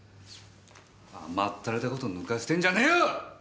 甘ったれた事抜かしてんじゃねえよ！！